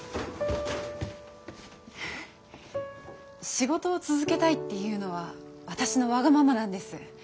仕事を続けたいっていうのは私のわがままなんです。